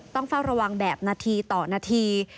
ต้องเฝ้าระวังแบบนาทีต่อนาที